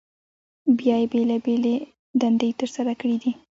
بیا یې بېلابېلې دندې تر سره کړي دي.